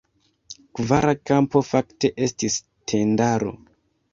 Kvara kampo fakte estis tendaro.